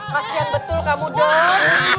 masih betul kamu dong